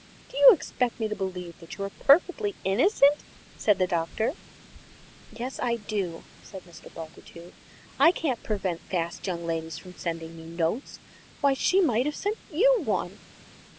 "Do you expect me to believe that you are perfectly innocent?" said the Doctor. "Yes, I do," said Mr. Bultitude. "I can't prevent fast young ladies from sending me notes. Why, she might have sent you one!"